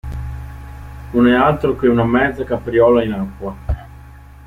Non è altro che una mezza capriola in acqua.